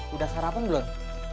udah sarapan belum